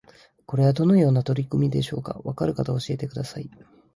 これはどのような取り組みでしょうか？わかる方教えてください